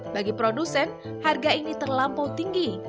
bagi produsen harga ini terlampau tinggi